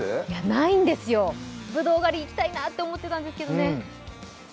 ないんですよ、ぶどう狩りいきたいなって思ってたんですけど。